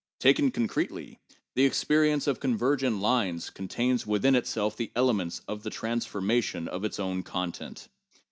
Taken concretely, the ex perience of convergent lines contains within itself the elements of the transformation of its own content.